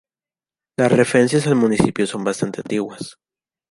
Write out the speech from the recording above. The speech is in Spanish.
Las referencias al municipio son bastante antiguas.